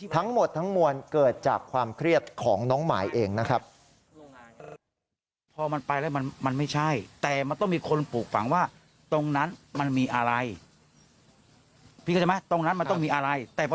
ทั้งหมดทั้งมวลเกิดจากความเครียดของน้องหมายเองนะครับ